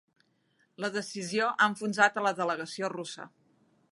La decisió ha enfonsat a la delegació russa